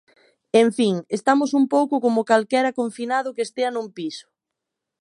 En fin, estamos un pouco como calquera confinado que estea nun piso.